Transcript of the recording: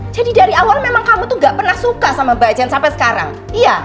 jadi dari awal memang kamu tuh nggak pernah suka sama mbak jen sampai sekarang iya